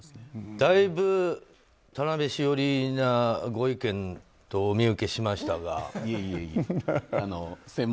だいぶ、田辺市寄りなご意見とお見受けしましたが。